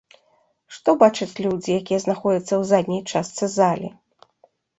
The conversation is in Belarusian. Што бачаць людзі, якія знаходзяцца ў задняй частцы залі?